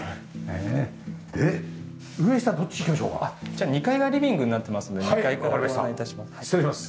じゃあ２階がリビングになってますので２階からお願い致します。